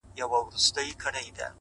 اوس دادی-